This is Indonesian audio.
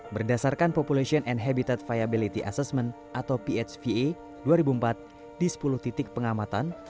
berdasarkan population and habitat viability assessment atau phva dua ribu empat di sepuluh titik pengamatan